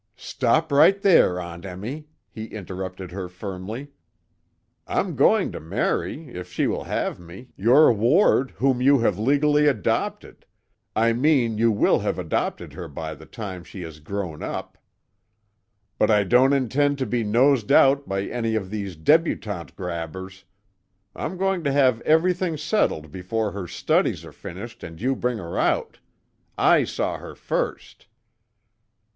"Stop right there, Aunt Emmy," he interrupted her firmly. "I'm going to marry, if she will have me, your ward whom you have legally adopted; I mean, you will have adopted her by the time she has grown up. But I don't intend to be nosed out by any of these debutante grabbers; I'm going to have everything settled before her studies are finished and you bring her out. I saw her first!"